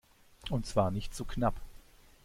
Und zwar nicht zu knapp!